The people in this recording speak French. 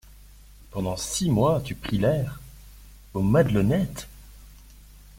Pendant six mois, tu pris l’air… aux Madelonnettes ?